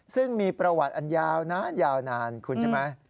ซึ่งมีประวัติอันยาวนานยาวนานคุณใช่ไหม